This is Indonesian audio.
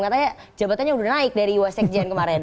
katanya jabatannya udah naik dari wasekjen kemarin